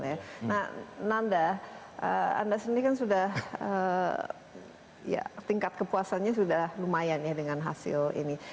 nah nanda anda sendiri kan sudah tingkat kepuasannya sudah lumayan ya dengan hasil ini